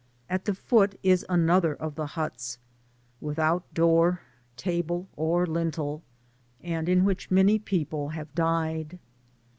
At the foot is another of the huts, without door, table, or lintel, and in which many people have died.